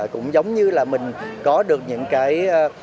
cũng giống như là mình có được những cái